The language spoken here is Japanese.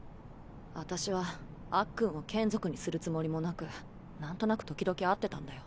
あたしはあっくんを眷属にするつもりもなく何となく時々会ってたんだよ。